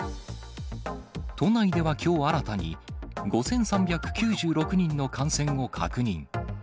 都内ではきょう新たに、５３９６人の感染を確認。